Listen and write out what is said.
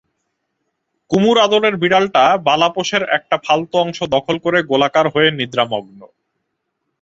কুমুর আদরের বিড়ালটা বালাপোশের একটা ফালতো অংশ দখল করে গোলাকার হয়ে নিদ্রামগ্ন।